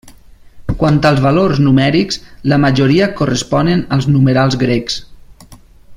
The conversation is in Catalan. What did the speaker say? Quant als valors numèrics, la majoria corresponen als numerals grecs.